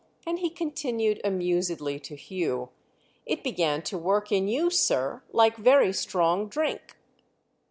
And he continued amusedly to Hugh: "It began to work in you, sir, like very strong drink!"